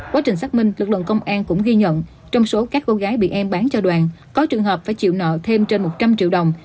quá trình xác minh lực lượng công an cũng ghi nhận trong số các cô gái bị em bán cho đoàn có trường hợp phải chịu nợ thêm trên một trăm linh triệu đồng